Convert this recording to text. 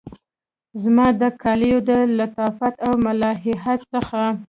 زما د کالیو د لطافت او ملاحت څخه